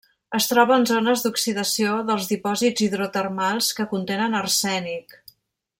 Es troba en zones d'oxidació dels dipòsits hidrotermals que contenen arsènic.